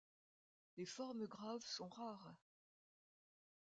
Les formes graves sont rares.